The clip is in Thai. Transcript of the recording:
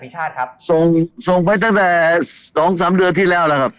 พชส่งไปจาก๒๓เดือนที่แล้วครับ